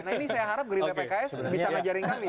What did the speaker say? nah ini saya harap gerindra pks bisa ngajarin kami